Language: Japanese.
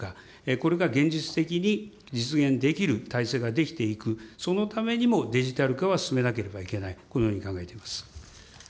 これが現実的に実現できる体制が出来ていくそのためにもデジタル化は進めなければいけない、このように考えております。